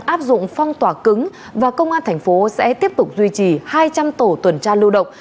đang áp dụng phong tỏa cứng và công an tp sẽ tiếp tục duy trì hai trăm linh tổ tuần tra lưu độc